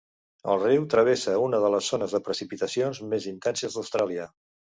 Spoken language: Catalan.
El riu travessa una de les zones de precipitacions més intenses d'Austràlia.